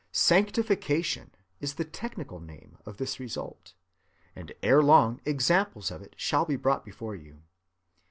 "Sanctification" is the technical name of this result; and erelong examples of it shall be brought before you.